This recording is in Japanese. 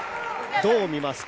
どう見ますか？